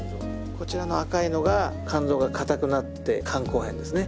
こちらの赤いのが肝臓が硬くなって肝硬変ですね。